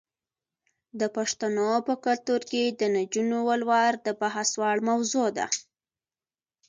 د پښتنو په کلتور کې د نجونو ولور د بحث وړ موضوع ده.